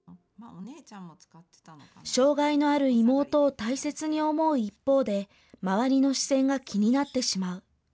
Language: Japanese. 障害のある妹を大切に思う一方で、周りの視線が気になってしまう。